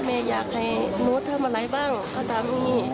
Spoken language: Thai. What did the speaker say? แม่อยากให้หนูทำอะไรบ้างก็ถามอย่างนี้